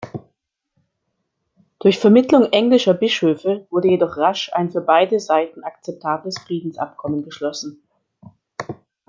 Durch Vermittlung englischer Bischöfe wurde jedoch rasch ein für beide Seiten akzeptables Friedensabkommen geschlossen.